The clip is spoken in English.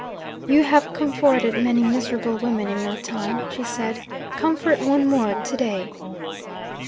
'You have comforted many miserable women in your time,' she said. 'Comfort one more, to day.'